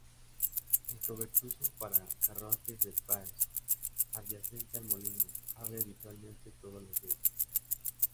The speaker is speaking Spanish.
El cobertizo para carruajes de Peirce, adyacente al molino, abre habitualmente todos los días.